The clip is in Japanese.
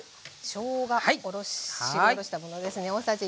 しょうがすりおろしたものですね。